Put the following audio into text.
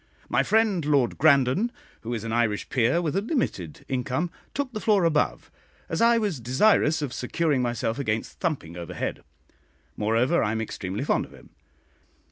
My friend Lord Grandon, who is an Irish peer with a limited income, took the floor above, as I was desirous of securing myself against thumping overhead; moreover, I am extremely fond of him.